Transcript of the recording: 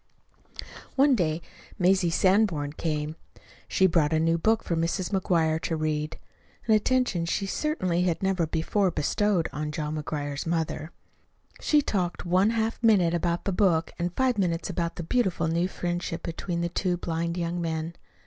One day Mazie Sanborn came. She brought a new book for Mrs. McGuire to read an attention she certainly had never before bestowed on John McGuire's mother. She talked one half minute about the book and five minutes about the beautiful new friendship between the two blind young men.